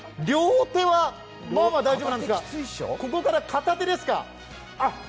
両手はまあまあ大丈夫なんですが、ここから片手ですか！